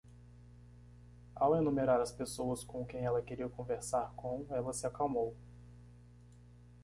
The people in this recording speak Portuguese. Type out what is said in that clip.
Ao enumerar as pessoas com quem ela queria conversar com?, ela se acalmou.